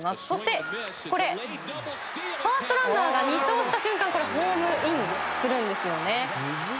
そしてこれファーストランナーが二盗した瞬間ホームインするんですよね。